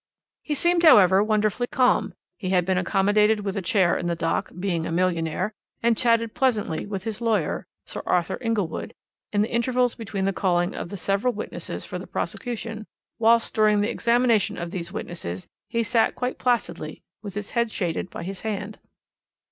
"He seemed, however, wonderfully calm; he had been accommodated with a chair in the dock being a millionaire and chatted pleasantly with his lawyer, Sir Arthur Inglewood, in the intervals between the calling of the several witnesses for the prosecution; whilst during the examination of these witnesses he sat quite placidly, with his head shaded by his hand.